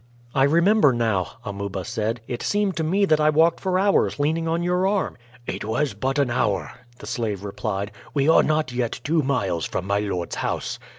"I remember now," Amuba said; "it seemed to me that I walked for hours leaning on your arm." "It was but an hour," the slave replied; "we are not yet two miles from my lord's house."